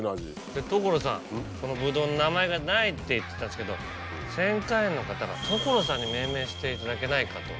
で所さんこのブドウの名前がないって言ってたんですけど千果園の方が所さんに命名していただけないかと。